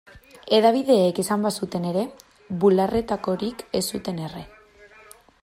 Hedabideek esan bazuten ere, bularretakorik ez zuten erre.